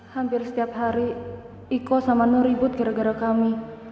hampir setiap hari iko sama nu ribut gara gara kami